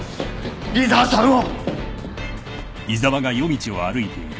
井沢さんを。